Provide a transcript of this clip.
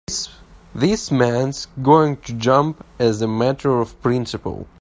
This man's going to jump as a matter of principle.